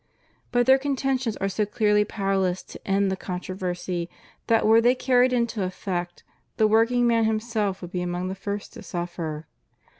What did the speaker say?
But their contentions are so clearly powerless to end the contro versy that were they carried into effect the workingman himself would be among the first to suffer.